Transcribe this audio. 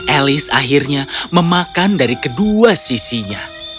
elis akhirnya memakan dari kedua sisinya